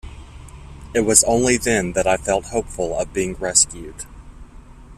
It was only then that I felt hopeful of being rescued.